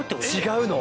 違うの？